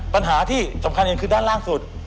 ปัญหาที่สำคัญเองคือด้านล่างสุด